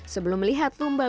sebelum melihat lumbawin